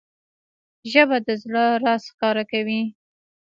ژبه د زړه راز ښکاره کوي